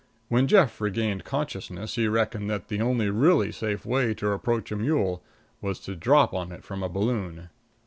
When Jeff regained consciousness, he reckoned that the only really safe way to approach a mule was to drop on it from a balloon.